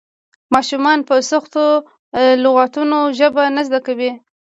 ماشومان په سختو لغتونو ژبه نه زده کوي.